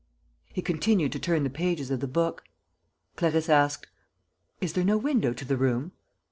He continued to turn the pages of the book. Clarisse asked: "Is there no window to the room?"